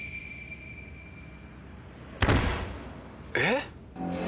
・えっ！？